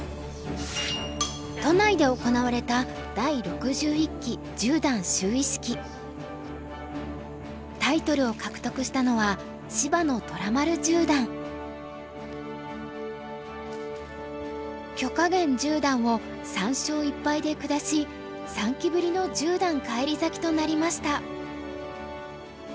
都内で行われたタイトルを獲得したのは許家元十段を３勝１敗で下し３期ぶりの十段返り咲きとなりました。